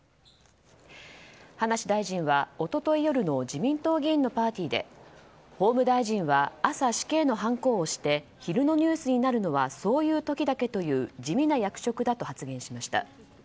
葉梨大臣は、一昨日夜の自民党議員のパーティーで法務大臣は朝、死刑のはんこを押して昼のニュースになるのはそういう時だけという地味な役職だと発言しました。